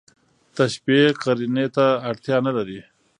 تشبېه قرينې ته اړتیا نه لري.